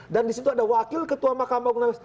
dan di situ ada wakil ketua mahkamah